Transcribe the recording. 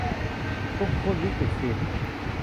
ลูกทุ่งวิจิตรศิลป์